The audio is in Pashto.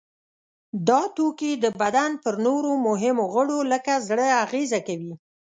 دا توکي د بدن پر نورو مهمو غړو لکه زړه اغیزه کوي.